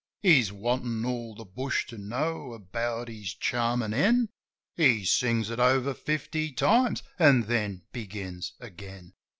He's wantin' all the bush to know about his charmin' hen ; He sings it over fifty times, an' then begins again.